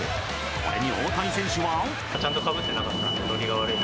これに大谷選手は。